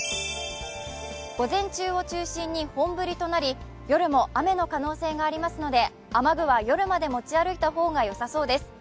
午前中を中心に本降りとなり、夜も雨の可能性がありますので、雨具は夜まで持ち歩いた方がよさそうです。